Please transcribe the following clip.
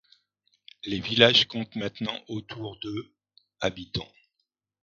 Les villages comptent maintenant autour de habitants.